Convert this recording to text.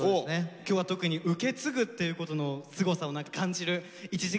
今日は特に受け継ぐっていうことのすごさを感じる１時間だなと思って。